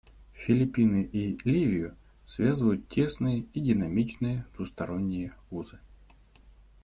Филиппины и Ливию связывают тесные и динамичные двусторонние узы.